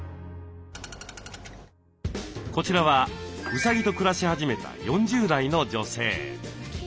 こちらはうさぎと暮らし始めた４０代の女性。